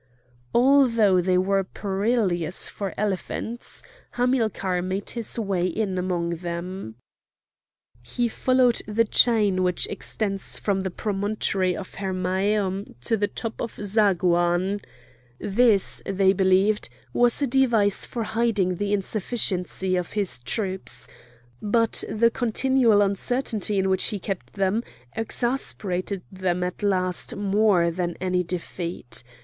Although they were perilous for elephants, Hamilcar made his way in among them. He followed the long chain which extends from the promontory of Hermæum to the top of Zagouan. This, they believed, was a device for hiding the insufficiency of his troops. But the continual uncertainty in which he kept them exasperated them at last more than any defeat.